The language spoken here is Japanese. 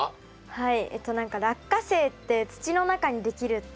はい。